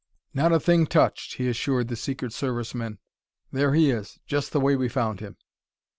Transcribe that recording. "Not a thing touched," he assured the Secret Service men; "there he is, just the way we found him."